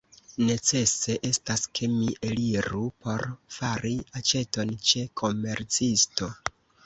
Necese estas, ke mi eliru por fari aĉeton ĉe komercisto.